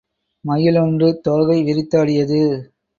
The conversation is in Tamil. மயிலொன்று தோகை விரித்தாடியது.